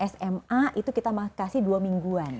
sma itu kita kasih dua mingguan